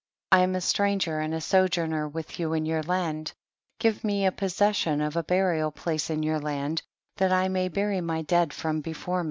I am a stranger and a sojourner with you in your land ; give me a possession of a burial place in your land, that I may bury my dead from before me.